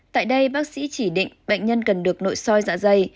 tại đây bác sĩ chỉ định bệnh nhân cần được nội soi dạ dày